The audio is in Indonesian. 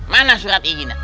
mana surat izinnya